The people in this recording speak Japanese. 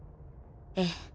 ええ。